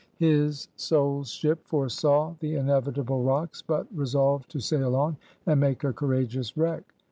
His soul's ship foresaw the inevitable rocks, but resolved to sail on, and make a courageous wreck.